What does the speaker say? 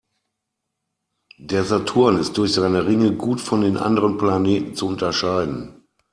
Der Saturn ist durch seine Ringe gut von den anderen Planeten zu unterscheiden.